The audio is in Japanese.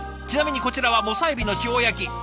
ちなみにこちらは猛者エビの塩焼き。